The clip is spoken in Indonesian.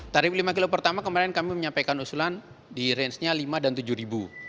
tarif lima km pertama kemarin kami menyampaikan usulan di rangenya rp lima dan rp tujuh